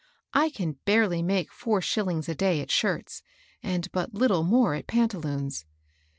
I can barely make four shillings a day at shirts, and but lit tle more at pantaloons.